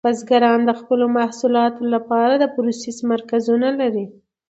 بزګران د خپلو محصولاتو لپاره د پروسس مرکزونه لري.